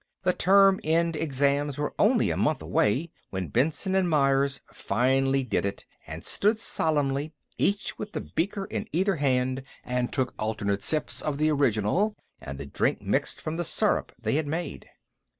The term end exams were only a month away when Benson and Myers finally did it, and stood solemnly, each with a beaker in either hand and took alternate sips of the original and the drink mixed from the syrup they had made.